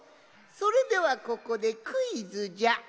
それではここでクイズじゃ。